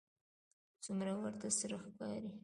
څومره ورته سره ښکاري